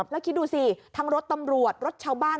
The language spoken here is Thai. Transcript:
แล้วคิดดูสิทั้งรถตำรวจรถชาวบ้าน